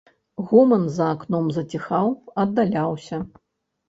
Гоман за акном заціхаў, аддаляўся.